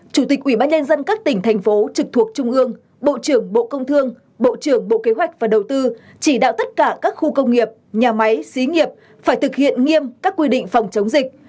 chủ tịch ủy ban nhân dân các tỉnh thành phố trực thuộc trung ương bộ trưởng bộ công thương bộ trưởng bộ kế hoạch và đầu tư chỉ đạo tất cả các khu công nghiệp nhà máy xí nghiệp phải thực hiện nghiêm các quy định phòng chống dịch